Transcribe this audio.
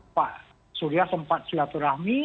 pak surya sempat silaturahmi